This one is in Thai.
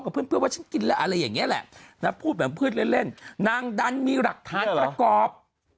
เพื่อนว่าฉันกินแล้วอะไรอย่างนี้แหละนะพูดแบบพืชเล่นเล่นนางดันมีหลักฐานประกอบ